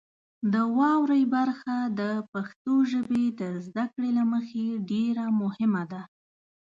د واورئ برخه د پښتو ژبې د زده کړې له مخې ډیره مهمه ده.